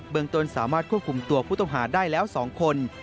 เมืองต้นสามารถควบคุมตัวผู้ต้องหาได้แล้ว๒คน